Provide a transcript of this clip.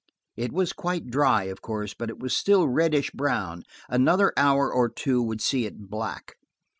It was quite dry, of course, but it was still reddish brown; another hour or two would see it black.